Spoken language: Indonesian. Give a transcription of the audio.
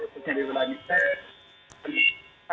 terutama di wilayah indonesia